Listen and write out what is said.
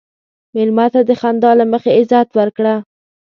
مېلمه ته د خندا له مخې عزت ورکړه.